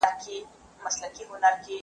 زه اوس لوښي وچوم!.